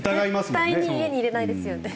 絶対に家に入れないですよね。